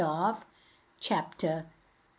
CHAPTER XI.